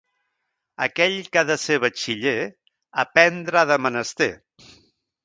Aquell que ha de ser batxiller, aprendre ha de menester.